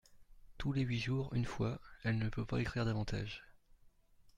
Tous les huit jours une fois ; elle ne peut pas écrire davantage.